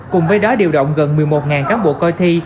cùng với đó điều động gần một mươi một cán bộ coi thi